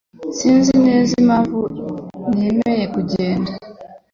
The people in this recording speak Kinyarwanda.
Sinzi neza impamvu nemeye kugenda.